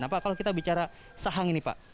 nah pak kalau kita bicara sahang ini pak